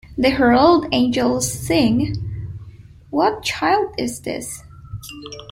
The Herald Angels Sing", "What Child Is This?